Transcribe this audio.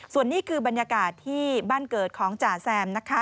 ส่วนนี้คือบรรยากาศที่บ้านเกิดของจ่าแซมนะคะ